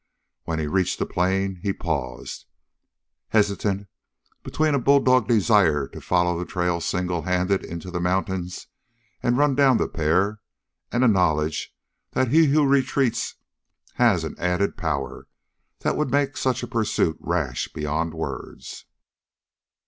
When he reached the plain he paused, hesitant between a bulldog desire to follow the trail single handed into the mountains and run down the pair, and a knowledge that he who retreats has an added power that would make such a pursuit rash beyond words.